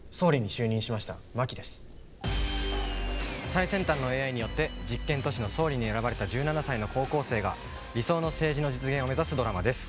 最先端のＡＩによって実験都市の総理に選ばれた１７才の高校生が理想の政治の実現を目指すドラマです。